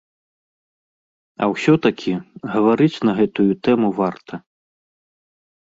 А ўсё такі, гаварыць на гэтую тэму варта.